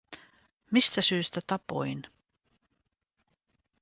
Mistä syystä tapoin?